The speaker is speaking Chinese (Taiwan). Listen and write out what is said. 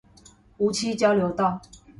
梧棲交流道